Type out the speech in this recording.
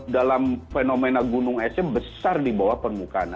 dalam fenomena gunung esnya besar di bawah permukaan